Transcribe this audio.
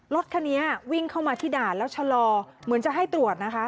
รถคันนี้วิ่งเข้ามาที่ด่านแล้วชะลอเหมือนจะให้ตรวจนะคะ